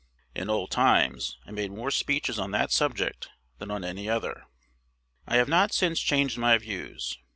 In old times I made more speeches on that subject than on any other. I have not since changed my views.